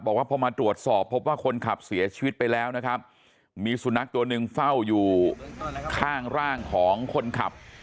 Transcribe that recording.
บอกว่าพอมาตรวจสอบพบว่าคนขับเสียชีวิตไปแล้วนะครับมีสุนัขตัวหนึ่งเฝ้าอยู่ข้างร่างของคนขับ